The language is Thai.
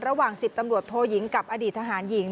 ระหว่าง๑๐ตำรวจโทยิงกับอดีตทหารหญิง